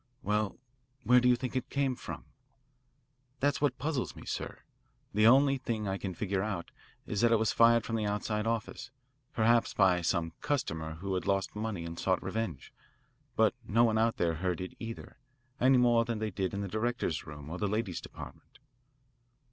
"Well, where do you think it came from?" "That's what puzzles me, sir. The only thing I can figure out is that it was fired from the outside office perhaps by some customer who had lost money and sought revenge. But no one out there heard it either, any more than they did in the directors' room or the ladies' department."